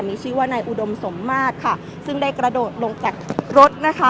มีชื่อว่านายอุดมสมมาตรค่ะซึ่งได้กระโดดลงจากรถนะคะ